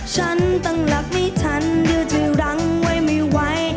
ฉันต้องรักไม่ทันเดี๋ยวจะรังไว้ไม่ไหว